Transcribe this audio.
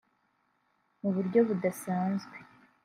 mu buryo budasanzwe